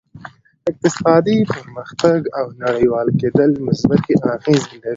اقتصادي پرمختیا او نړیوال کېدل مثبتې اغېزې لري